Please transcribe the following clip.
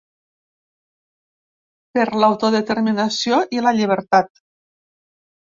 Per l’autodeterminació i la llibertat!